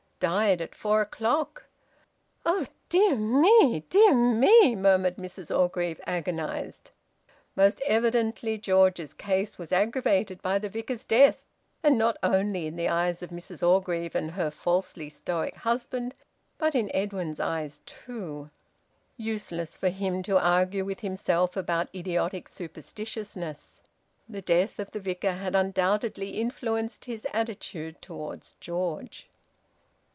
"Died at four o'clock." "Oh dear me! Dear me!" murmured Mrs Orgreave, agonised. Most evidently George's case was aggravated by the Vicar's death and not only in the eyes of Mrs Orgreave and her falsely stoic husband, but in Edwin's eyes too! Useless for him to argue with himself about idiotic superstitiousness! The death of the Vicar had undoubtedly influenced his attitude towards George.